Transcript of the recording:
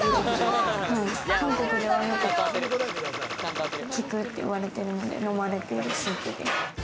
韓国ではに効くって言われてるんで飲まれてるスープで。